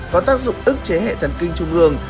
có tác dụng ức chế hệ thần kinh trung ương